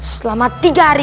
selama tiga hari